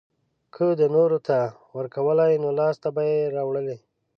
که ده نورو ته ورکولی نو لاسته به يې راوړلی.